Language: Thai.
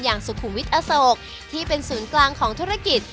สุขุมวิทย์อโศกที่เป็นศูนย์กลางของธุรกิจ